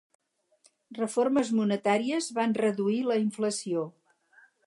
Reformes monetàries van reduir la inflació.